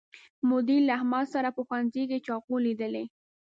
مدیر له احمد سره په ښوونځي کې چاقو لیدلی